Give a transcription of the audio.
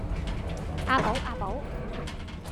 啊寶啊寶